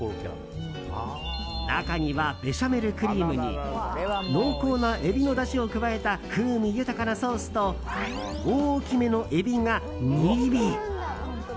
中には、ベシャメルクリームに濃厚なエビのだしを加えた風味豊かなソースと大きめのエビが２尾！